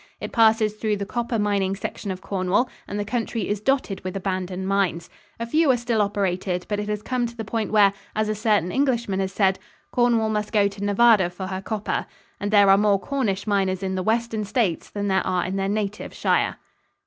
It passes through the copper mining section of Cornwall and the country is dotted with abandoned mines. A few are still operated, but it has come to the point where, as a certain Englishman has said, "Cornwall must go to Nevada for her copper," and there are more Cornish miners in the western states than there are in their native shire.